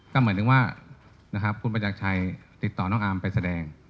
ก็หมายถึงว่านะครับคุณประจักรชัยติดต่อน้องอาร์มไปแสดง